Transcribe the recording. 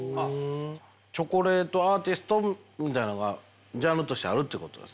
チョコレートアーティストみたいなんがジャンルとしてあるってことですか。